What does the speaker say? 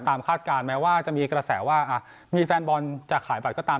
คาดการณ์แม้ว่าจะมีกระแสว่ามีแฟนบอลจะขายบัตรก็ตาม